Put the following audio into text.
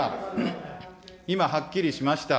はっきりしました。